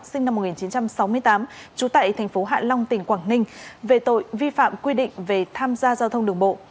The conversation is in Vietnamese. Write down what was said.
sinh năm một nghìn chín trăm sáu mươi tám trú tại thành phố hạ long tỉnh quảng ninh về tội vi phạm quy định về tham gia giao thông đường bộ